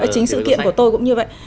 chính sự kiện của tôi cũng như vậy